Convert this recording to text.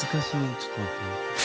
ちょっと待って。